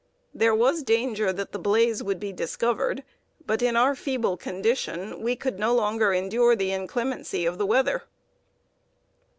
There was danger that the blaze would be discovered; but in our feeble condition we could no longer endure the inclemency of the weather.